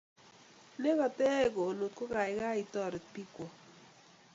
ne keteyae kunot ko kaikai itaret piik kwaok